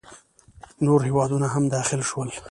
نور هیوادونه هم داخل شول.